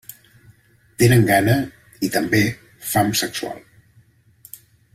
Tenen gana i, també, fam sexual.